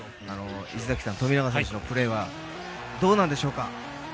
石崎さん、富永選手のプレーはどうなんでしょうか？